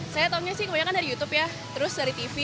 saya tau kebanyakan dari youtube dari tv